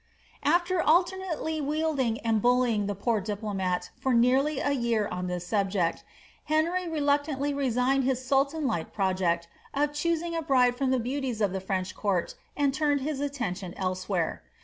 After alternately wheedling and bullying the poor diplomat for nearly a rear on this subject,' Henry reluctantly resigned his sultan like project of choosing a bride from the beauties of the French court, and turned his attention elsewhere.